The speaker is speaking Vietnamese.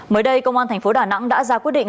mới đây công an tp đà nẵng đã ra quyết định